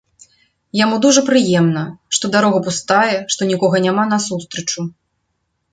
Яму дужа прыемна, што дарога пустая, што нікога няма насустрэчу.